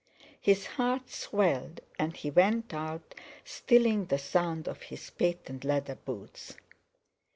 His heart swelled, and he went out, stilling the sound of his patent leather boots.